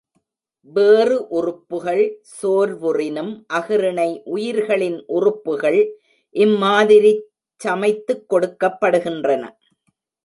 வேறு உறுப்புகள் சோர்வுறினும் அஃறிணை உயிரிகளின் உறுப்புகள் இம்மாதிரி சமைத்துக் கொடுக்கப்படு கின்றன.